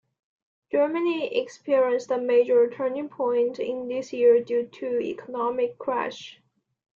Germany experienced a major turning point in this year due to the economic crash.